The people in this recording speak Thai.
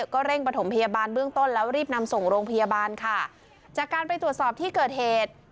ก็เร่งประถมพยาบาลเบื้องต้นแล้วรีบนำส่งโรงพยาบาลค่ะจากการไปตรวจสอบที่เกิดเหตุ